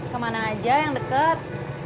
kemana aja yang deket